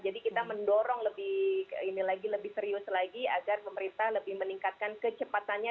jadi kita mendorong lebih serius lagi agar pemerintah lebih meningkatkan kecepatannya